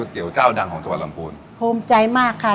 เก๋วดังของจังหวัดลำภูนค์ภูมิใจมากค่ะ